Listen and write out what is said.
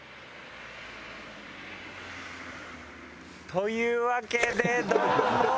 というわけでどうも！